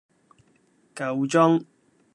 夠鐘